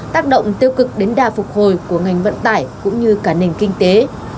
tác động tiêu cực đến đa phục hồi của ngành vận tải cũng như cả nền kinh tế